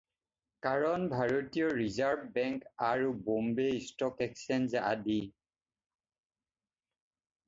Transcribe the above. কাৰণ ভাৰতীয় reserve bank আৰু বম্বে ষ্ট'ক এক্সচেঞ্জ আদি।